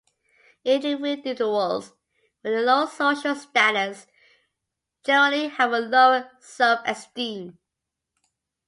Individuals with a low social status generally have a lower self-esteem.